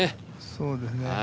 そうですね。